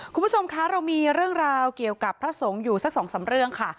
คุณผู้ชมคะเรามีเรื่องราวเกี่ยวกับพระสงฆ์อยู่สักสองสามเรื่องค่ะ